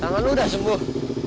tangan lu udah sembuh